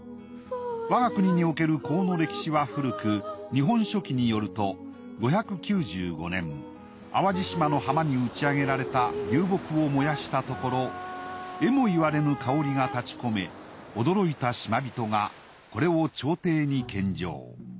我が国における香の歴史は古く『日本書紀』によると５９５年淡路島の浜に打ち上げられた流木を燃やしたところえもいわれぬ香りがたちこめ驚いた島人がこれを朝廷に献上。